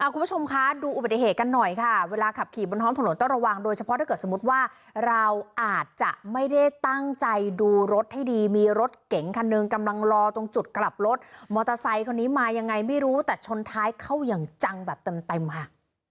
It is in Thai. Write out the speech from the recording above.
คุณผู้ชมคะดูอุบัติเหตุกันหน่อยค่ะเวลาขับขี่บนท้องถนนต้องระวังโดยเฉพาะถ้าเกิดสมมุติว่าเราอาจจะไม่ได้ตั้งใจดูรถให้ดีมีรถเก๋งคันหนึ่งกำลังรอตรงจุดกลับรถมอเตอร์ไซค์คนนี้มายังไงไม่รู้แต่ชนท้ายเข้าอย่างจังแบบเต็มค่ะ